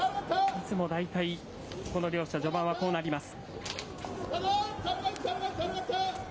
いつも大体、この両者、序盤はこうなります。